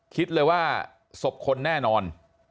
คิดเลยว่าศพคนแน่นอน